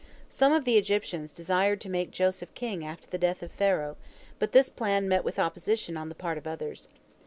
Some of the Egyptians desired to make Joseph king after the death of Pharaoh, but this plan met with opposition on the part of others.